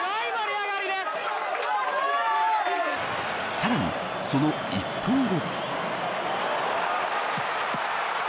さらに、その１分後。